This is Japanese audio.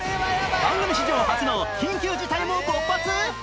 番組史上初の緊急事態も勃発